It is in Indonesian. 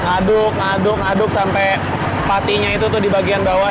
aduk aduk aduk sampai patinya itu tuh di bagian bawah